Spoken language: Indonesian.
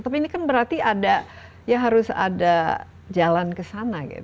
tapi ini kan berarti ada ya harus ada jalan kesana gitu